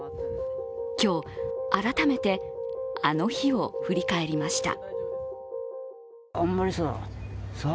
今日、改めてあの日を振り返りました。